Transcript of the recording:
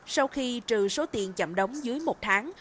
sau khi trừ số tiền chậm đóng dưới một tháng